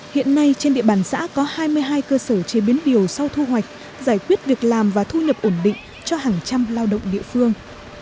hiện nay trên địa bàn xã có hai mươi hai cơ sở chế biến điều sau thu hoạch giải quyết việc làm và thu nhập ổn định cho hàng trăm lao động địa phương